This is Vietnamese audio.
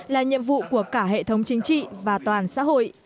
là nhiệm vụ của cả hệ thống chính trị và toàn xã hội